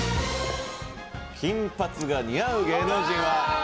金髪が似合う芸能人は？